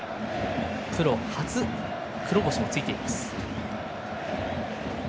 プロ初黒星もついています。